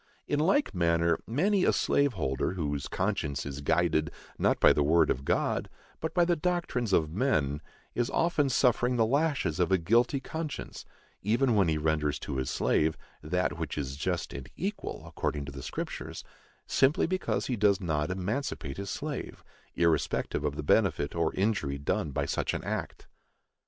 In like manner, many a slave holder, whose conscience is guided, not by the word of God, but by the doctrines of men, is often suffering the lashes of a guilty conscience, even when he renders to his slave "that which is just and equal," according to the Scriptures, simply because he does not emancipate his slave, irrespective of the benefit or injury done by such an act.